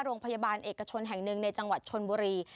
โรงพยาบาลเอกชนแห่งหนึ่งในจังหวัดชนบุรี